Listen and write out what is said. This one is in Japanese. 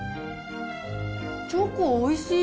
チョコおいしい。